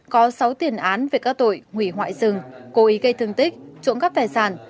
có sáu tiền án về các tội hủy hoại rừng cố ý gây thương tích trộm cắp tài sản